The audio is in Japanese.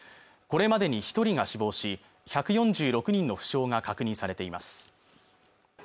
これまでに一人が死亡し１４６人の負傷が確認されています